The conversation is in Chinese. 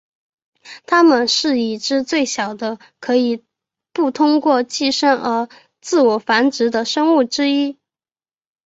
它们是已知最小的可以不通过寄生而自我繁殖的生物之一。